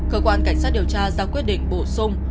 cơ quan cảnh sát điều tra ra quyết định bổ sung